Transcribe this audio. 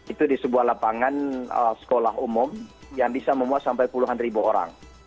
itu di sebuah lapangan sekolah umum yang bisa memuas sampai puluhan ribu orang